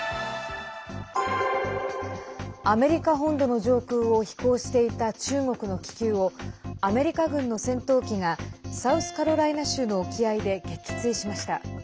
アメリカ本土の上空を飛行していた中国の気球をアメリカ軍の戦闘機がサウスカロライナ州の沖合で撃墜しました。